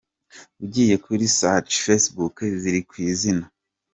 Ugiye kuri search, facebook ziri kw'izina.